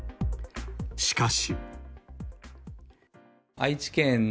しかし。